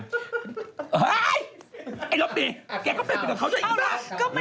เฮ้ยไอ้ลบนี้แกก็เป็นกับเขาใช่ไหม